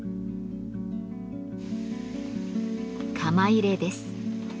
窯入れです。